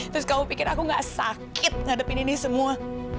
terus kamu pikir aku gak sakit ngadepin ini semua